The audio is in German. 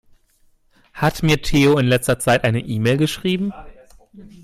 Hat mir Theo in letzter Zeit eine E-Mail geschrieben?